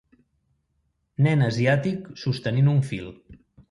Nen asiàtic sostenint un fil.